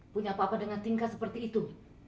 punya apa apa dengan tingkat seperti itu